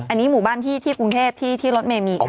อันนี้หมู่บ้านที่กรุงเทพที่รถเมย์มี